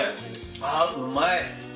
あうまい。